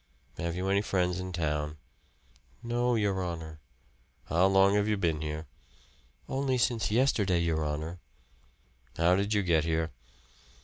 "Have you any friends in town?" "No, your honor." "How long have you been here?" "Only since yesterday, your honor." "How did you get here?"